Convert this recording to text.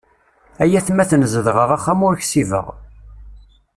Ay atmaten zedɣeɣ axxam ur ksibeɣ.